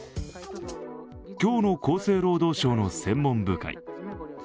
今日の厚生労働省の専門部会。